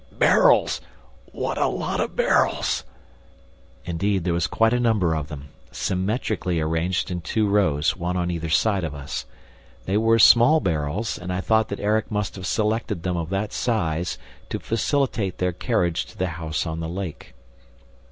Barrels! What a lot of barrels! ..." Indeed, there was quite a number of them, symmetrically arranged in two rows, one on either side of us. They were small barrels and I thought that Erik must have selected them of that size to facilitate their carriage to the house on the lake.